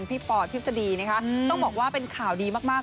พี่ปอร์ทฤษฎีนะคะอืมต้องบอกว่าเป็นข่าวดีมากมาก